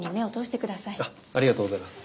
ありがとうございます。